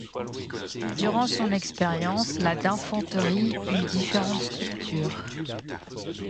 Durant son existence, la d'infanterie eut différentes structures.